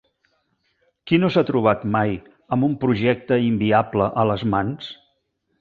¿Qui no s'ha trobat mai amb un projecte inviable a les mans?